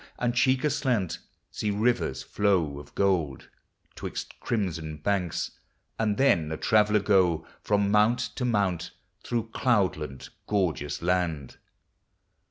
And cheek aslant, see rivers flow of gold, Twixt crimson banks; and then a traveller go From mount to mount, through Cloudland, gor geous land